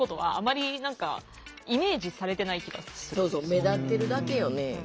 目立ってるだけよね。